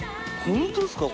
本当ですか？